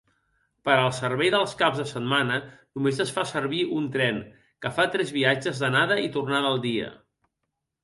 Per al servei dels caps de setmana només es fa servir un tren, que fa tres viatge d'anada i tornada al dia.